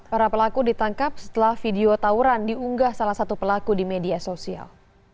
para pelaku ditangkap setelah video tawuran diunggah salah satu pelaku di media sosial